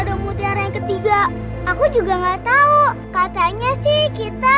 aduh mutiara yang ketiga aku juga nggak tahu katanya sih kita